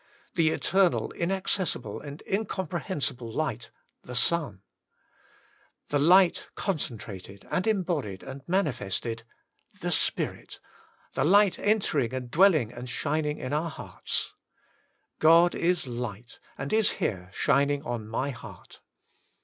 The eternal, inaccessible, and in comprehensible light : the Son. The light con centrated, and embodied, and manifested: the Spirit, the light entering and dwelling and shining in oui hearts. God is light, and is here shining on my heart.